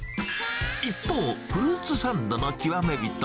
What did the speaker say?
一方、フルーツサンドの極め人。